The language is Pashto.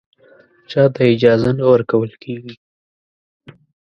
چا ته اجازه نه ورکول کېږي